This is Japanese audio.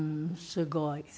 すごい。